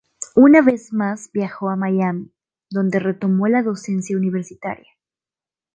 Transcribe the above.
Una vez más viajó a Miami, donde retomó la docencia universitaria.